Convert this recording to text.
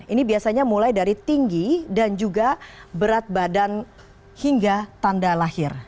ini biasanya mulai dari tinggi dan juga berat badan hingga tanda lahir